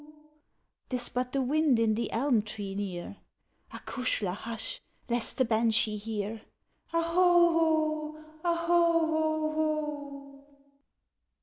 'Tis but the wind in the elm tree near (Acushla, hush! lest the Banshee hear!) "O hoho, O hoho o o!"